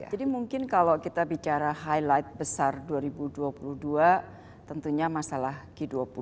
jadi mungkin kalau kita bicara highlight besar dua ribu dua puluh dua tentunya masalah g dua puluh